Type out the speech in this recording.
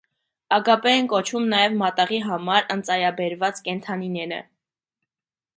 Ագապե են կոչվել նաև մատաղի համար ընծայաբերված կենդանիները։